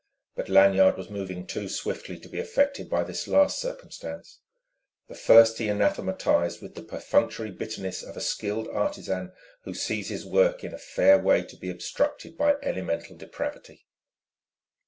But Lanyard was moving too swiftly to be affected by this last circumstance; the first he anathematised with the perfunctory bitterness of a skilled artisan who sees his work in a fair way to be obstructed by elemental depravity.